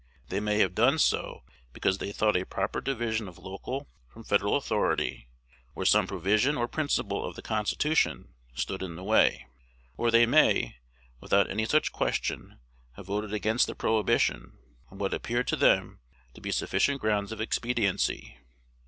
They may have done so because they thought a proper division of local from Federal authority, or some provision or principle of the Constitution, stood in the way; or they may, without any such question, have voted against the prohibition, on what appeared to them to be sufficient grounds of expediency.